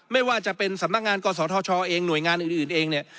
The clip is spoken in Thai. ไม่ว่าจะเป็นสำนักงานกศธชเองหน่วยงานอื่นเองเนี่ย